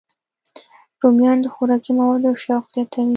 رومیان د خوراکي موادو شوق زیاتوي